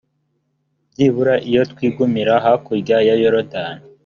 byibura iyo twigumira hakurya ya yorudani!